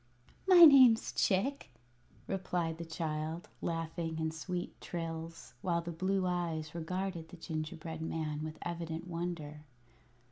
"My name's Chick," replied the child, laughing in sweet trills, while the blue eyes regarded the gingerbread man with evident wonder.